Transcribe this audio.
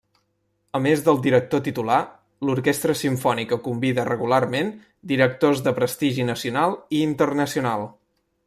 A més del director titular, l'Orquestra Simfònica convida regularment directors de prestigi nacional i internacional.